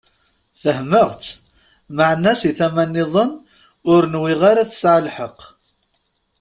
Fehmeɣ-tt, meɛna si tama-nniḍen ur nwiɣ ara tesɛa lḥeqq.